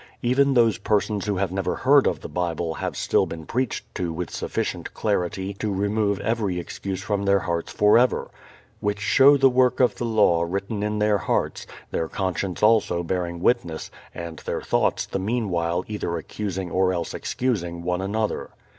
Even those persons who have never heard of the Bible have still been preached to with sufficient clarity to remove every excuse from their hearts forever. "Which show the work of the law written in their hearts, their conscience also bearing witness, and their thoughts the mean while either accusing or else excusing one another."